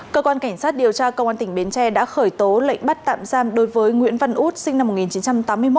cơ quan cảnh sát điều tra công an tỉnh bến tre đã khởi tố lệnh bắt tạm giam đối với nguyễn văn út sinh năm một nghìn chín trăm tám mươi một